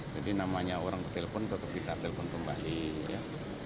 jadi namanya orang ke telepon tetap kita telepon kembali ya